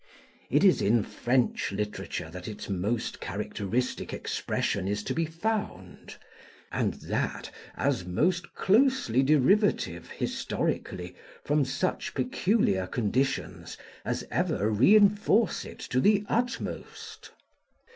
It is in French literature that its most characteristic expression is to be found; and that, as most closely derivative, historically, from such peculiar conditions, as ever reinforce it to the utmost.